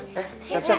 iya enggak enggak